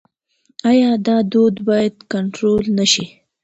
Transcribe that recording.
آیا دا دود باید کنټرول نشي؟